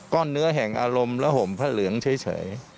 เนื้อแห่งอารมณ์และห่มพระเหลืองเฉย